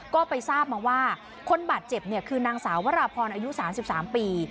ก็ไปทราบมาว่าคนบาดเจ็บคือนางสาววราพรอายุ๓๓ปี